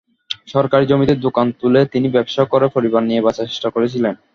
সরকারি জমিতে দোকান তুলে তিনি ব্যবসা করে পরিবার নিয়ে বাঁচার চেষ্টা করছিলেন।